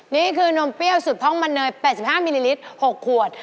นี่คือนมเปรี้ยวสุดท่องมันเนย๘๕มิลลิลิตร๖ขวด